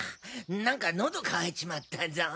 何かノド渇いちまったぞ。